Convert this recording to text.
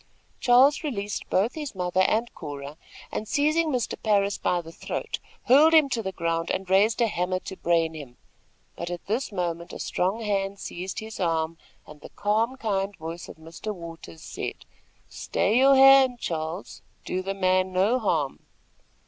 Charles released both his mother and Cora, and, seizing Mr. Parris by the throat, hurled him to the ground, and raised a hammer to brain him; but at this moment a strong hand seized his arm, and the calm, kind voice of Mr. Waters said: "Stay your hand, Charles. Do the man no harm."